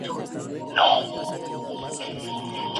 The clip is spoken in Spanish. El libro está dividido en dos secciones.